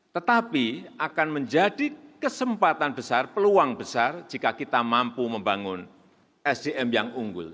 tetapi akan menjadi kesempatan besar peluang besar jika kita mampu membangun sdm yang unggul